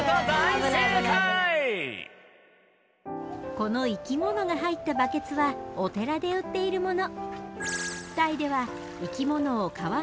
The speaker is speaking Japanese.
この生き物が入ったバケツはお寺で売っているもの。